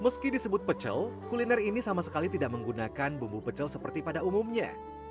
meski disebut pecel kuliner ini sama sekali tidak menggunakan bumbu pecel seperti pada umumnya